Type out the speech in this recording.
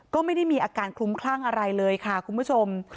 ก็ไม่ได้มีอาการคลุ้มคลั่งอะไรเลยค่ะคุณผู้ชม